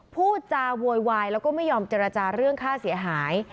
พูดจาโวยวายแล้วก็ไม่ยอมเจรจาเรื่องค่าเสียหาย